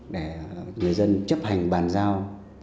để người dân chấp hành bàn giao